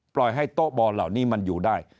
ปล่อยให้โต๊ะบอลเหล่านี้มันอยู่ได้